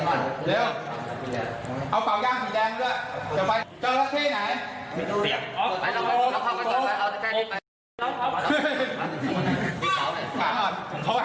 พี่เข้าไปกับผมไม่ได้ปล่อยอ๋อเอาแจว่านไปด้วยแจว่านไปด้วย